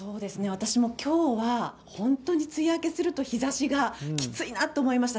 私もきょうは本当に梅雨明けすると、日ざしがきついなと思いました。